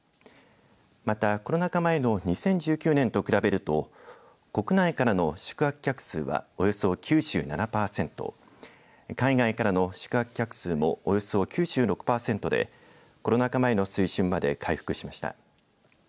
またコロナ禍前の２０１９年と比べると国内からの宿泊客数はおよそ９７パーセント海外からの宿泊客数もおよそ９６パーセントでコロナ禍前の水準まで回復しました。